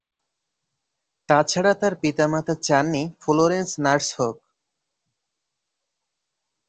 এছাড়া তার পিতা-মাতা চাননি ফ্লোরেন্স নার্স হোক।